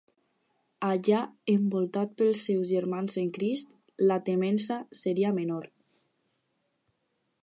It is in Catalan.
Allà, envoltat pels seus germans en Crist, la temença seria menor.